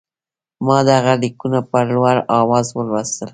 ما دغه لیکونه په لوړ آواز ولوستل.